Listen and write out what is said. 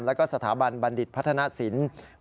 แล้วก็สถาบันบัณฑิตพัฒนศิลป์